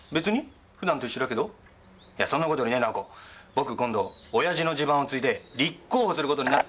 僕今度親父の地盤を継いで立候補する事になっ。